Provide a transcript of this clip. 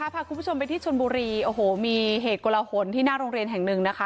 พาคุณผู้ชมไปที่ชนบุรีโอ้โหมีเหตุกลหนที่หน้าโรงเรียนแห่งหนึ่งนะคะ